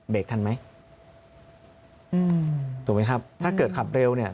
ทันไหมอืมถูกไหมครับถ้าเกิดขับเร็วเนี่ย